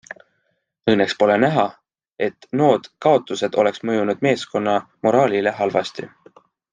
Õnneks pole näha, et nood kaotused oleks mõjunud meeskonna moraalile halvasti.